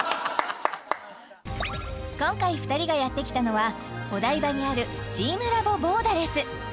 今回２人がやって来たのはお台場にあるチームラボボーダレス